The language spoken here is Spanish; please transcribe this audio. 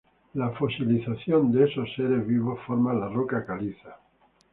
La fosilización de esos seres vivos forma la roca caliza.